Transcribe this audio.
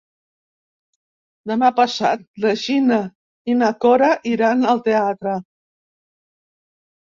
Demà passat na Gina i na Cora iran al teatre.